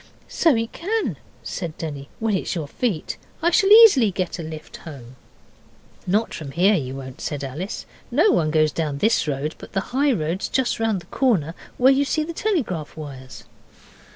'So it can,' said Denny, 'when it's your feet. I shall easily get a lift home.' 'Not here you won't,' said Alice. 'No one goes down this road; but the high road's just round the corner, where you see the telegraph wires.